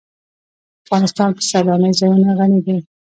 افغانستان په سیلانی ځایونه غني دی.